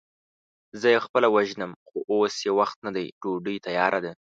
زه يې خپله وژنم، خو اوس يې وخت نه دی، ډوډۍ تياره ده.